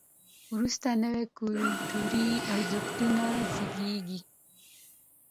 وروسته نوي کلتوري ارزښتونه زیږېږي.